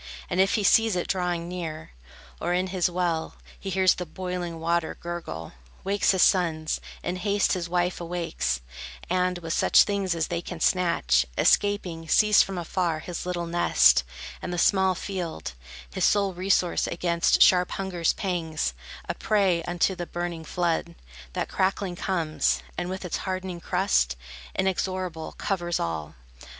And if he sees it drawing near, Or in his well He hears the boiling water gurgle, wakes His sons, in haste his wife awakes, And, with such things as they can snatch, Escaping, sees from far His little nest, and the small field, His sole resource against sharp hunger's pangs, A prey unto the burning flood, That crackling comes, and with its hardening crust, Inexorable, covers all.